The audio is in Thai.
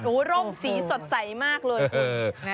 โอ้โหร่มสีสดใสมากเลย